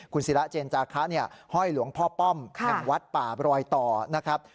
คุณศิราเจนจาคะห้อยหลวงพ่อป้อมยังวัดป่ารอยต่อนะครับ